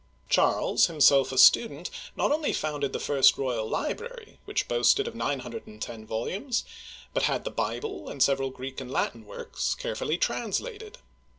Charles, himself a student, not only founded the first royal library, — which boasted of nine hundred and ten volumes, — but had the Bible, and several Greek and Latin works, carefully translated.